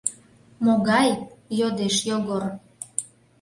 — Могай? — йодеш Йогор.